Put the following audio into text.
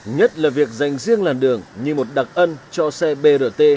nhất là việc dành riêng làn đường như một đặc ân cho xe brt